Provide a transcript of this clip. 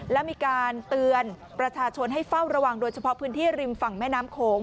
และมีการเตือนประชาชนให้เฝ้าระวังโดยเฉพาะพื้นที่ริมฝั่งแม่น้ำโขง